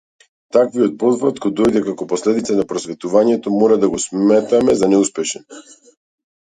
Таквиот потфат, кој дојде како последица на просветувањето, мора да го сметаме за неуспешен.